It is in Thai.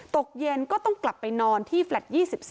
ตกเย็นก็ต้องกลับไปนอนที่แฟลต์๒๔